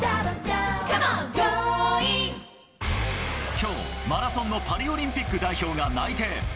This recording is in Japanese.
きょう、マラソンのパリオリンピック代表が内定。